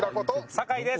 酒井です。